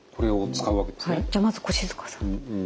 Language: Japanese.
じゃあまず越塚さん。